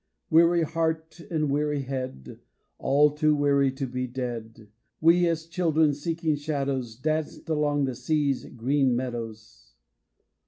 Weary heart and weary head, All too weary to be dead, We as children seeking shadows Danced along the sea's green meadows.